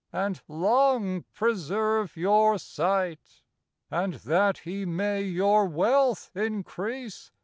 And long preserve your sight. I And that he may your wealth increase